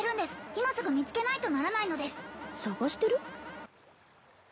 今すぐ見つけないとならないのです捜してる？